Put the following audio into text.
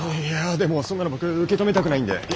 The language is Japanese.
いやでもそんなの僕受け止めたくないんで。